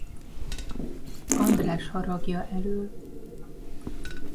András haragja elől.